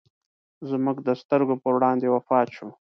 زموږ د سترګو پر وړاندې وفات شو.